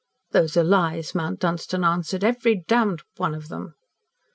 "Those are lies," Mount Dunstan answered "every damned one of them!"